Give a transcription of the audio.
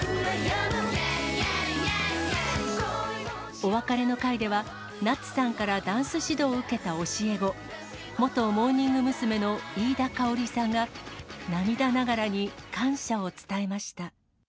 お別れの会では、夏さんからダンス指導を受けた教え子、元モーニング娘。の飯田圭織さんが、涙ながらに感謝を伝えました。